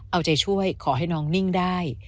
เอาใจช่วยขอให้น้องนิ่งได้